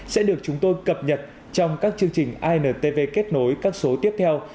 sẽ được chúng tôi cập nhật trong các chương trình intv kết nối các số tiếp theo